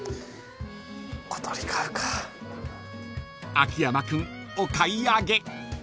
［秋山君お買い上げ］